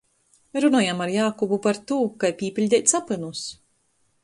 Runojam ar Jākubu par tū, kai pīpiļdeit sapynus.